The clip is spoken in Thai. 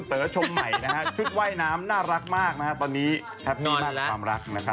ทิ้งไปเลยลูกหันเว้าก่อนเดี๋ยวกลับมาค่ะ